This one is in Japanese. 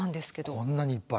こんなにいっぱい。